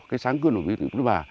cái sáng cư lục của bà